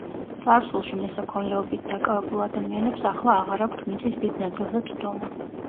წარსულში მესაქონლეობით დაკავებულ ადამიანებს ახლა აღარ აქვთ მიწის დიდ ნაწილზე წვდომა.